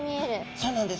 そうなんです。